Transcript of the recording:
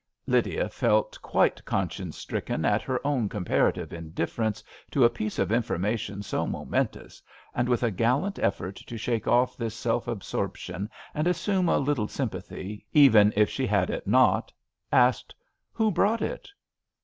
Lydia felt quite conscience stricken at her own comparative indifference to a piece of informa 148 A RAINY DAY. tion 80 momentousy and with a gallant effort to shake off this self absorption and assume a little sympathy, even if she had it not, asked: \Vho brought it?"